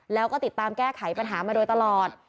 แล้วก็ติดตามแก้ไขปัญหามาโดยตลอด